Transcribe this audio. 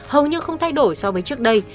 hầu như không thay đổi so với trước đây